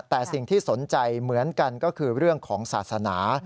แต่สิ่งที่สนใจเหมือนกันก็คือเรื่องของศาสนา